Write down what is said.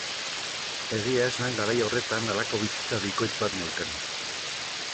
Egia esan garai horretan halako bizitza bikoitz bat neukan.